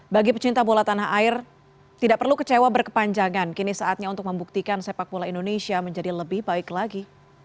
bagi pecinta bola tanah air tidak perlu kecewa berkepanjangan kini saatnya untuk membuktikan sepak bola indonesia menjadi lebih baik lagi